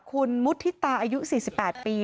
คุณมุฒิตาอายุ๔๘ปี